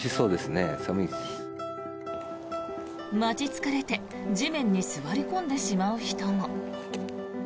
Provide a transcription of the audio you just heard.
待ち疲れて地面に座り込んでしまう人も。